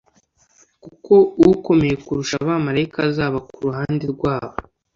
kuko Ukomeye kurusha abamarayika azaba ku ruhande rwabo,